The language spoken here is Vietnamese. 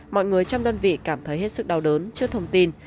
mọi người trong đoàn vị cảm thấy hết sức đau đớn chưa thông tin